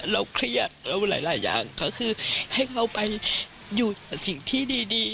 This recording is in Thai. เราเครียดแล้วหลายอย่างก็คือให้เขาไปอยู่กับสิ่งที่ดี